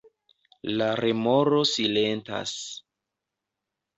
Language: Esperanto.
La remoro silentas.